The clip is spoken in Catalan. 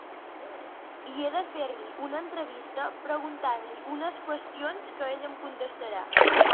I he de fer-li una entrevista preguntant-li unes qüestions que ell em contestarà.